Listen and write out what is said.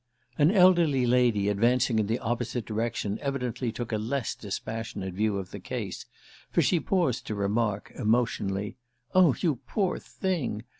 An elderly lady advancing in the opposite direction evidently took a less dispassionate view of the case, for she paused to remark emotionally: "Oh, you poor thing!"